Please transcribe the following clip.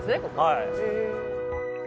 はい。